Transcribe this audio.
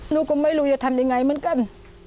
หนูก็ไม่รู้จะทำยังไงเหมือนกัน